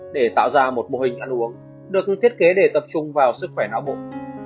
để tạo ra một mô hình ăn uống được thiết kế để tập trung vào sức khỏe não bụng